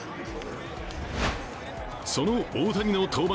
その大谷の登板